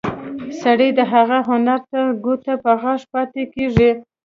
سړی د هغه هنر ته ګوته په غاښ پاتې کېږي.